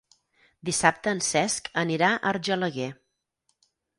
Dissabte en Cesc anirà a Argelaguer.